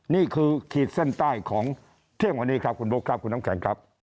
ขีดเส้นใต้ของเที่ยงวันนี้ครับคุณบุ๊คครับคุณน้ำแข็งครับ